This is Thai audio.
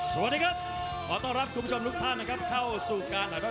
สวัสดีครับขอต้อนรับคุณผู้ชมทุกท่านนะครับเข้าสู่การถ่ายทอด